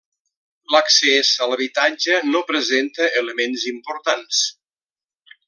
L'accés a l'habitatge no presenta elements importants.